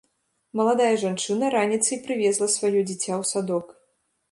Маладая жанчына раніцай прывезла сваё дзіця ў садок.